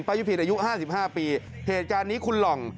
ยุพินอายุ๕๕ปีเหตุการณ์นี้คุณหล่อง